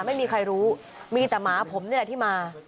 ไม่มีใครรู้มีแต่หมาผมนี่แหละที่มา